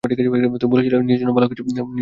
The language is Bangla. তুমি বলেছিলে, নিজের জন্য ভালো কিছু করতে চাও।